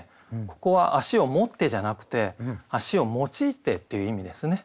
ここは足を持ってじゃなくて足を用いてという意味ですね。